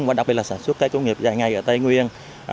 và đặc biệt là sản xuất các chủ nghiệp dài ngày ở tây nguyên